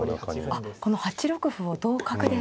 あっこの８六歩を同角で。